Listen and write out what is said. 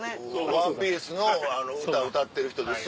『ＯＮＥＰＩＥＣＥ』のあの歌歌ってる人です